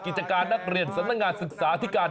กิจการนักเรียนสำนักงานศึกษาธิการ